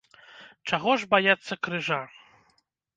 Чаго ж баяцца крыжа?